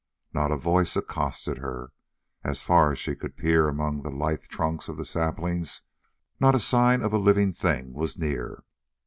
Not a voice accosted her. As far as she could peer among the lithe trunks of the saplings, not a sign of a living thing was near.